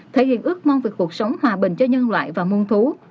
thể hiện ước mong về cuộc sống hòa bình cho nhân loại và môn thú